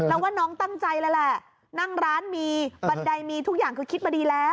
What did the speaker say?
แล้วว่าน้องตั้งใจเลยแหละนั่งร้านมีบันไดมีทุกอย่างคือคิดมาดีแล้ว